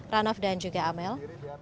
ranoff dan juga amel